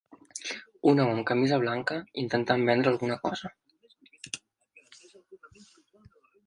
Un home amb camisa blanca intentant vendre alguna cosa.